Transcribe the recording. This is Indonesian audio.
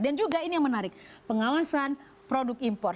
dan juga ini yang menarik pengawasan produk impor